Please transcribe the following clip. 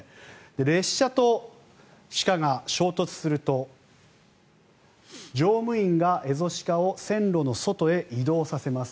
列車と鹿が衝突すると乗務員がエゾシカを線路の外へ移動させます。